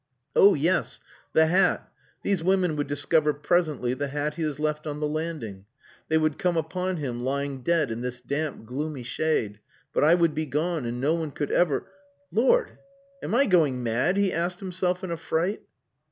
Oh yes. The hat! These women would discover presently the hat he has left on the landing. They would come upon him, lying dead in this damp, gloomy shade but I would be gone and no one could ever...Lord! Am I going mad?" he asked himself in a fright.